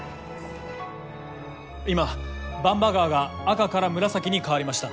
今番場川が赤から紫に変わりました。